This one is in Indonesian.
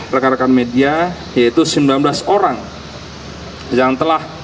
rekan rekan media yaitu sembilan belas orang yang telah